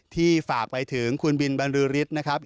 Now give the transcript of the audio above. ที่ฝากไปถึงคุณบินบรรลือริสนะครับ